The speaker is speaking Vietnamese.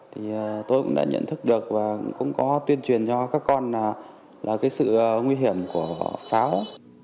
thì tôi cũng đã nhận thức được và cũng có tuyên truyền cho các con là cái sự nguy hiểm của pháo